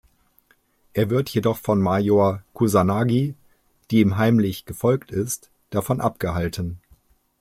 Er wird jedoch von Major Kusanagi, die ihm heimlich gefolgt ist, davon abgehalten.